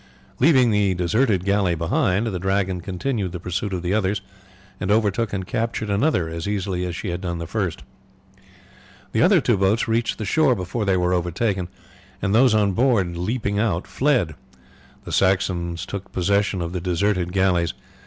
Leaving the deserted galley behind, the Dragon continued the pursuit of the others, and overtook and captured another as easily as she had done the first. The other two boats reached the shore before they were overtaken, and those on board leaping out fled. The Saxons took possession of the deserted galleys.